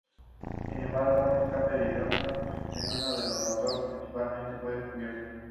Sin embargo, un escape de hidrógeno en uno de los motores principales fue descubierto.